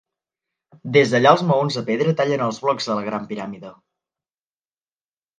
Des d'allà els maons de pedra tallen els blocs de la Gran Piràmide.